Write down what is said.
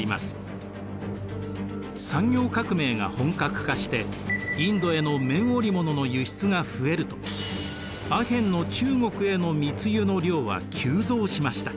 産業革命が本格化してインドへの綿織物の輸出が増えるとアヘンの中国への密輸の量は急増しました。